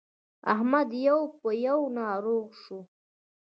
احمد يو په يو ناروغ شو.